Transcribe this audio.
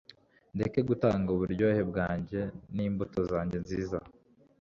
ndeke gutanga uburyohe bwanjye n'imbuto zanjye nziza